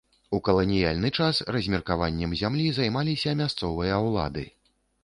У каланіяльны час размеркаваннем зямлі займаліся мясцовыя ўлады.